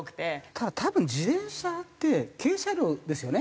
ただ多分自転車って軽車両ですよね。